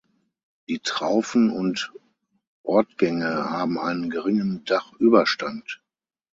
Die Traufen und Ortgänge haben einen geringen Dachüberstand.